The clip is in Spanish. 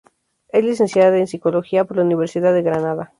Es licenciada en Psicología por la Universidad de Granada.